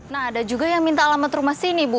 nah ada juga yang minta alamat rumah sini bu